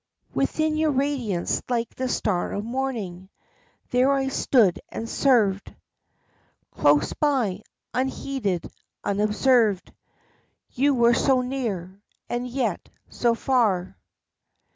Within your radiance like the star of morning, there I stood and served, Close by, unheeded, unobserved. You were so near, and, yet, so far.